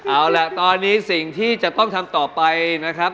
เอาล่ะตอนนี้สิ่งที่จะต้องทำต่อไปนะครับ